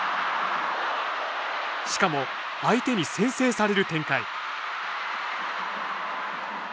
しかも相手に先制される展開